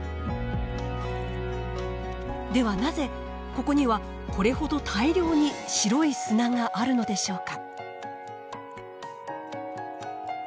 ではなぜここにはこれほど大量に白い砂があるのでしょうか。